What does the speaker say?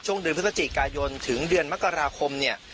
เดือนพฤศจิกายนถึงเดือนมกราคมเนี่ย